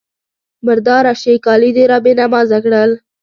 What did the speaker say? _مرداره شې! کالي دې را بې نمازه کړل.